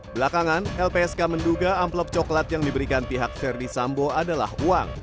belakangan lpsk menduga amplop coklat yang diberikan pihak verdi sambo adalah uang